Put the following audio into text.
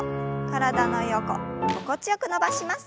体の横心地よく伸ばします。